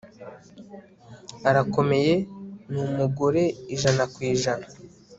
arakomeye, ni umugore ijana ku ijana